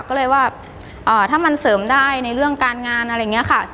ก็เลยว่าถ้ามันเสริมได้ในเรื่องการงานอะไรอย่างนี้ค่ะ